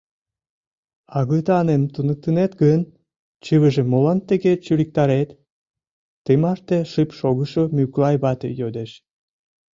— Агытаным туныктынет гын, чывыжым молан тыге чуриктарет? — ты марте шып шогышо Мӱклай вате йодеш.